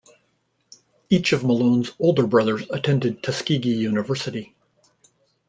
Each of Malone's older brothers attended Tuskegee University.